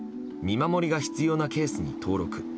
守りが必要なケースに登録。